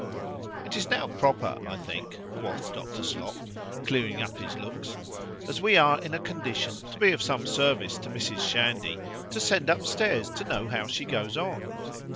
It is now proper, I think, quoth Dr. Slop, (clearing up his looks) as we are in a condition to be of some service to Mrs. Shandy, to send up stairs to know how she goes on.